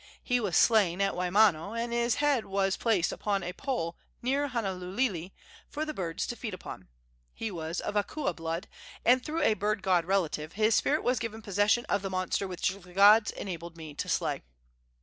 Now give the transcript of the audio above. He was slain at Waimano, and his head was placed upon a pole near Honouliuli for the birds to feed upon. He was of akua blood, and through a bird god relative his spirit was given possession of the monster which the gods enabled me to slay."